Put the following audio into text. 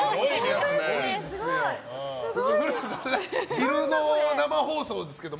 昼の生放送ですけど。